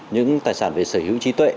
những tài sản về sở hữu trí tuệ